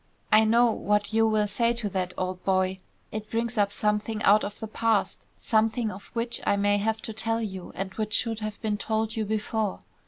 I know what you will say to that, old boy. It brings up something out of the past; something of which I may have to tell you and which should have been told you before.